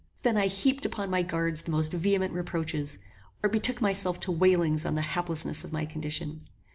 Then I heaped upon my guards the most vehement reproaches, or betook myself to wailings on the haplessness of my condition.